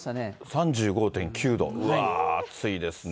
３５．９度、うわー、暑いですね。